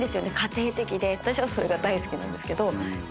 私はそれが大好きなんですけど。